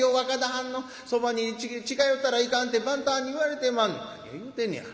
はんのそばに近寄ったらいかんって番頭はんに言われてまんねん」。